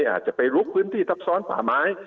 อาจจะไปลุกพื้นที่ทับซ้อนป่าไม้